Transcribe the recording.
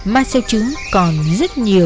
mà sơ trứng còn rất nhiều